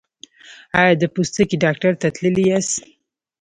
ایا د پوستکي ډاکټر ته تللي یاست؟